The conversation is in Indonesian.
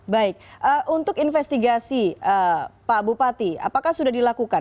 baik untuk investigasi pak bupati apakah sudah dilakukan